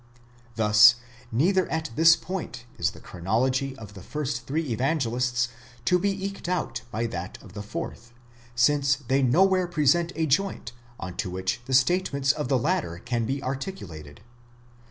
Thus neither at this point is the chronology of the first three Evan gelists to be eked out by that of the fourth, since they nowhere present a joint on to which the statements of the latter can be articulated.